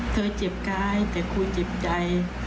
เจ็บกายแต่ครูเจ็บใจ